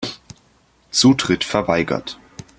Zutritt verweigert.